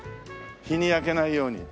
日に焼けないように。